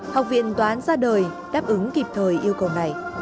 học viện toán ra đời đáp ứng kịp thời yêu cầu này